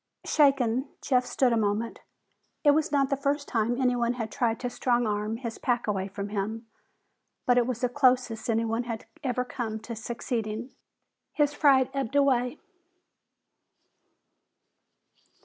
Shaken, Jeff stood a moment. It was not the first time anyone had tried to strong arm his pack away from him, but it was the closest anyone had ever come to succeeding. His fright ebbed away.